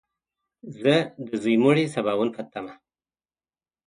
زه د ځوی مړي سباوون په تمه !